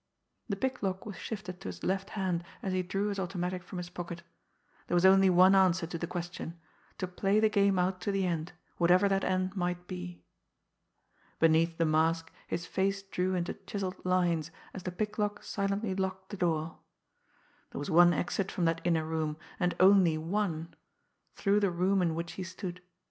The picklock was shifted to his left hand, as he drew his automatic from his pocket. There was only one answer to the question to play the game out to the end, whatever that end might be! Beneath the mask his face drew into chiselled lines, as the picklock silently locked the door. There was one exit from that inner room, and only one through the room in which he stood.